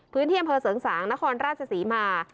พื้นที่อำเภอเสริงสางนครราชศรีมา